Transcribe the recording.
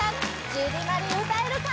ジュディマリ歌えるか？